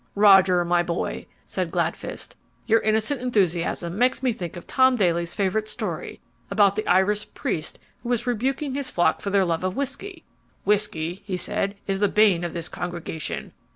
"Roger, my boy," said Gladfist, "your innocent enthusiasm makes me think of Tom Daly's favourite story about the Irish priest who was rebuking his flock for their love of whisky. 'Whisky,' he said, 'is the bane of this congregation.